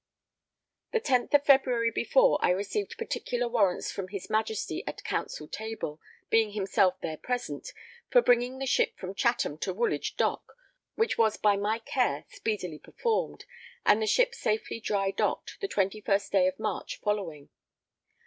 The 10th of February before, I received particular warrants from his Majesty at council table, being himself there present, for bringing the ship from Chatham to Woolwich dock; which was by my care speedily performed, and the ship safely dry docked, the 21st day of March following.